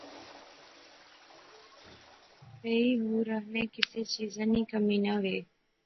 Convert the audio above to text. پھئی ہور آخنے کسے چیزا نی کمی نہ وہے